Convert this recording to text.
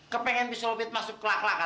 kepengen bisa masuk kelak kelakan